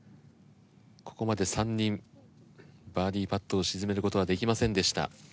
ここまで３人バーディパットを沈めることはできませんでした。